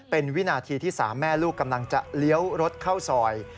เป็นวินาทีที่๓แม่ลูกกำลังจะเลี้ยวรถเข้าซอย